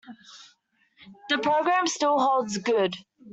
The programme still holds good.